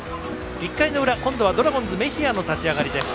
１回の裏、今度はドラゴンズメヒアの立ち上がり。